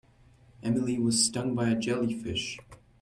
Emily was stung by a jellyfish.